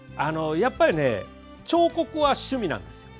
やっぱり彫刻は趣味なんですよ。